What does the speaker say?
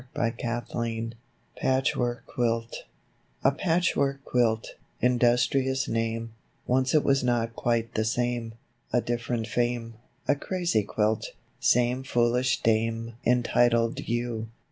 DAY DREAMS PATCHWORK QUILT A Patchwork Quilt, Industrious name. Once it was not quite the 6ame. A different fame, A "Crazy Quilt," Same foolish dame Entitled you.